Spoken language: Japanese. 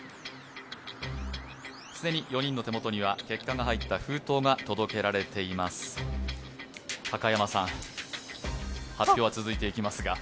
既に４人の手元には結果が入った封筒が届けられています。